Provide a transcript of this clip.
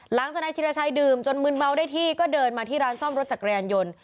นายธิรชัยดื่มจนมืนเมาได้ที่ก็เดินมาที่ร้านซ่อมรถจักรยานยนต์